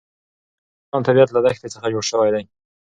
د افغانستان طبیعت له دښتې څخه جوړ شوی دی.